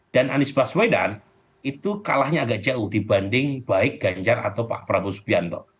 anies baswedan itu kalahnya agak jauh dibanding baik ganjar atau pak prabowo subianto